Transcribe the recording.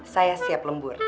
saya siap lembur